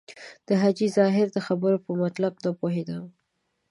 د حاجي ظاهر د خبرو په مطلب نه پوهېدم.